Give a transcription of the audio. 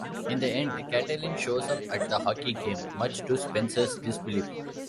In the end, Katelin shows up at the hockey game, much to Spencer's disbelief.